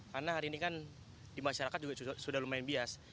karena hari ini kan di masyarakat juga sudah lumayan bias